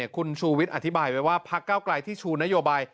คุณชูวิทย์อธิบายไว้ว่าพักเก้าไกลที่ชูนโยบาย